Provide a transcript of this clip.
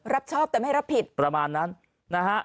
รับชอบแต่ไม่รับผิดประมาณนั้นนะฮะ